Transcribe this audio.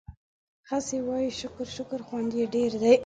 هسې وايو شکر شکر خوند يې ډېر دی